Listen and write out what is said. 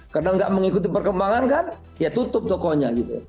karena nggak mengikuti perkembangan kan ya tutup tokonya gitu